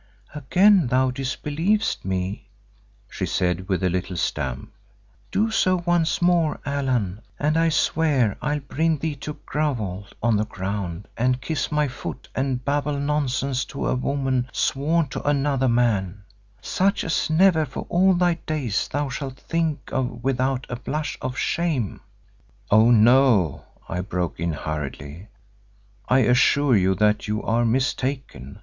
"Again thou disbelievest me," she said, with a little stamp. "Do so once more, Allan, and I swear I'll bring thee to grovel on the ground and kiss my foot and babble nonsense to a woman sworn to another man, such as never for all thy days thou shalt think of without a blush of shame." "Oh! no," I broke in hurriedly, "I assure you that you are mistaken.